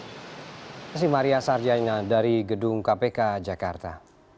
terima kasih maria sarjana dari gedung kpk jakarta